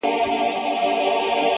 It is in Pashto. ستا هغه ګوته طلایي چیري ده;